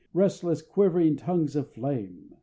Restless, quivering tongues of flame!